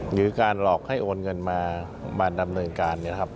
หรือการหลอกให้โอนเงินมาดำเนินการ